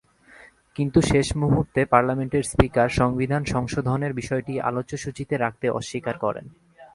কিন্তু শেষ মুহূর্তে পার্লামেন্টের স্পিকার সংবিধান সংশোধনের বিষয়টি আলোচ্যসূচিতে রাখতে অস্বীকার করেন।